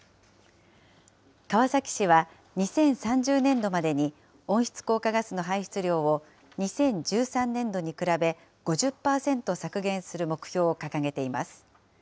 川崎市は、２０３０年度までに温室効果ガスの排出量を２０１３年度に比べ５０％削減する目標を掲げています。